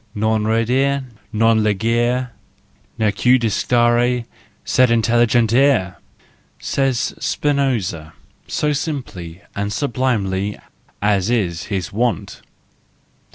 —Non ridere , non lug ere, neque detestari , sed intelligere ! says Spinoza, so simply and sublimely, as is his wont.